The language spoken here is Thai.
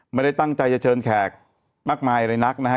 ไม่ได้ตั้งใจจะเชิญแขกมากมายอะไรนักนะฮะ